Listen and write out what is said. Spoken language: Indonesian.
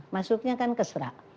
masuknya kan kesra